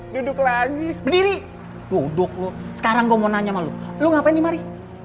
duduk lagi duduk sekarang gue mau nanya lu lu ngapain nih mari